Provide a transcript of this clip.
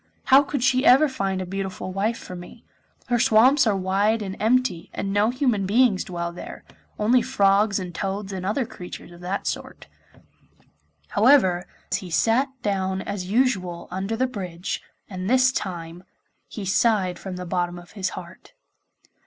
How could she ever find a beautiful wife for me? Her swamps are wide and empty, and no human beings dwell there; only frogs and toads and other creatures of that sort.' However, he sat down as usual under the bridge, and this time he sighed from the bottom of his heart.